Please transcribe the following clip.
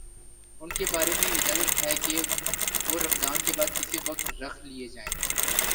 ان کے بارے میں اجازت ہے کہ وہ رمضان کے بعد کسی وقت رکھ لیے جائیں